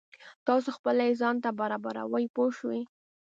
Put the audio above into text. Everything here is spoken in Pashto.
تاسو خپله یې ځان ته برابروئ پوه شوې!.